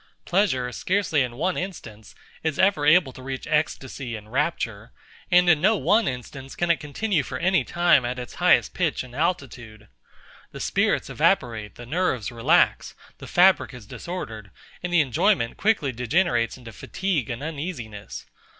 Pleasure, scarcely in one instance, is ever able to reach ecstasy and rapture; and in no one instance can it continue for any time at its highest pitch and altitude. The spirits evaporate, the nerves relax, the fabric is disordered, and the enjoyment quickly degenerates into fatigue and uneasiness.